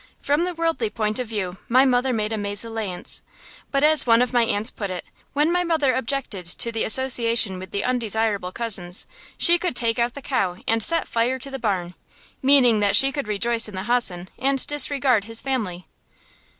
From the worldly point of view my mother made a mésalliance. But as one of my aunts put it, when my mother objected to the association with the undesirable cousins, she could take out the cow and set fire to the barn; meaning that she could rejoice in the hossen and disregard his family.